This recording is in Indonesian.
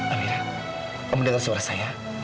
amira kamu dengar suara saya